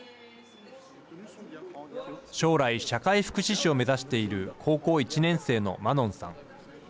将来、社会福祉士を目指している高校１年生のマノンさん。